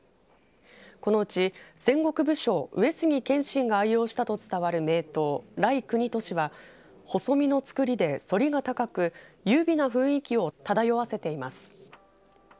このうち戦国武将上杉謙信が愛用したと伝わる名刀来国俊は細身なつくりでそりが高く優美な雰囲気を漂わせています。